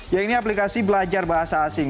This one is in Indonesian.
ya ini aplikasi belajar bahasa asing